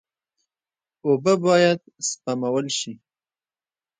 اوبه باید سپمول شي.